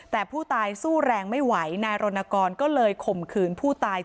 แต่ผู้ตายสู้แรงไม่ไหวนายรณกรก็เลยข่มขืนผู้ตาย